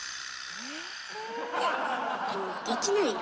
うんできないの。